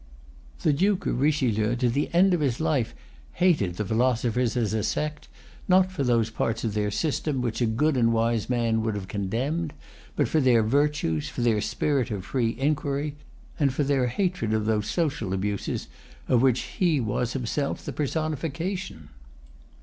The Duke of Richelieu to the end of his life hated the philosophers as a sect, not for those parts of their system[Pg 313] which a good and wise man would have condemned, but for their virtues, for their spirit of free inquiry, and for their hatred of those social abuses of which he was himself the personification.